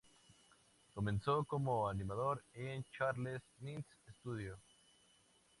Comenzó como animador en Charles Mintz studio.